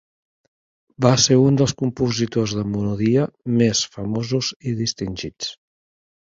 Va ser un dels compositors de monodia més famosos i distingits.